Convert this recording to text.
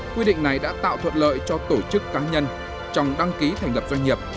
quy định này đã tạo thuận lợi cho tổ chức cá nhân trong đăng ký thành lập doanh nghiệp